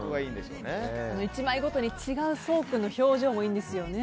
１枚ごとに違う想君の表情もいいんですよね。